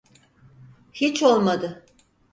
Hiç olmadı.